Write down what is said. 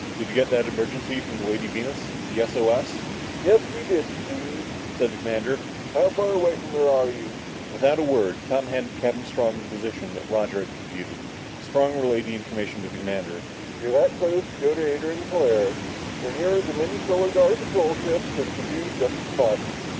"Did you get that emergency from the Lady Venus the S O S?" "Yes, we did, Steve," said the commander. "How far away from her are you?" Without a word, Tom handed Strong the position that Roger had computed. Strong relayed the information to the commander. "If you're that close, go to her aid in the Polaris. You're nearer than any Solar Guard patrol ship and you can do just as much."